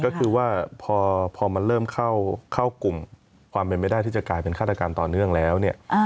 ก็คือว่าพอมันเริ่มเข้ากลุ่มความเป็นไม่ได้ที่จะกลายเป็นฆาตการต่อเนื่องแล้วเนี่ย